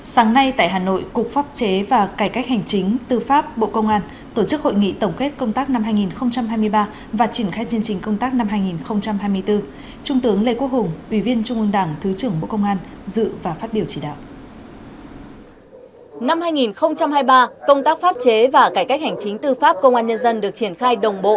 sáng nay tại hà nội cục pháp chế và cải cách hành chính tư pháp bộ công an tổ chức hội nghị tổng kết công tác năm hai nghìn hai mươi ba và triển khai chương trình công tác năm hai nghìn hai mươi bốn trung tướng lê quốc hùng ủy viên trung ương đảng thứ trưởng bộ công an dự và phát biểu chỉ đạo